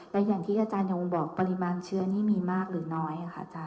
และอย่างที่อาจารย์ยังบอกปริมาณเชื้อนี่มีมากหรือน้อย